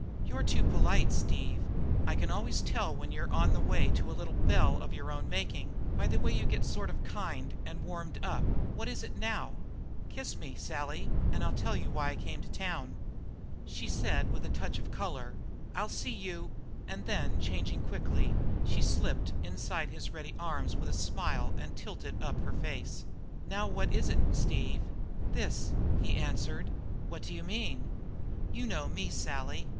You're too polite, Steve; I can always tell when you're on the way to a little bell of your own making, by the way you get sort of kind and warmed up. What is it now?" "Kiss me, Sally, and I'll tell you why I came to town." She said with a touch of colour: "I'll see you " and then changing quickly, she slipped inside his ready arms with a smile and tilted up her face. "Now what is it, Steve?" "This," he answered. "What d'you mean?" "You know me, Sally.